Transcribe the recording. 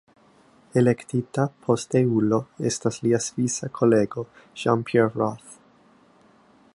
Elektita posteulo estas lia svisa kolego Jean-Pierre Roth.